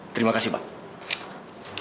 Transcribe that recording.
terima kasih pak